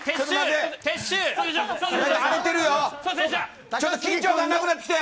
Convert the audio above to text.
荒れてるよ。